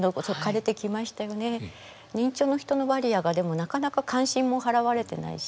認知症の人のバリアがでもなかなか関心も払われてないし